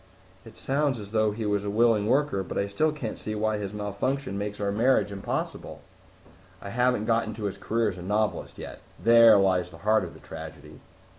'" "It sounds as though he was a willing worker, but I still can't see why his malfunction makes our marriage impossible." "I haven't gotten to his career as a novelist yet. There lies the heart of the tragedy."